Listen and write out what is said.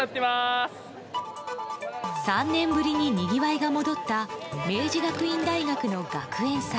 ３年ぶりに、にぎわいが戻った明治学院大学の学園祭。